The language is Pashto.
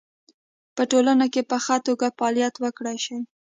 په ټولنه کې په خه توګه فعالیت وکړی شي